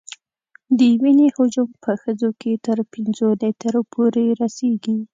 د وینې حجم په ښځو کې تر پنځو لیترو پورې رسېږي.